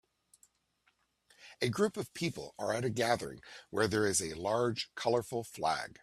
A group of people are at a gathering where there is a large colorful flag